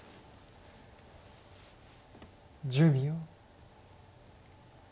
１０秒。